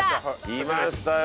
きましたよ。